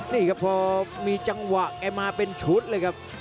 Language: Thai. นี่ครับพอมีจังหวะแกมาเป็นชุดเลยครับ